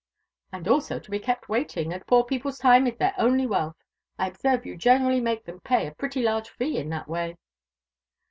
"And also to be kept waiting. As poor people's time is their only wealth, I observe you generally make them pay a pretty large fee in that way."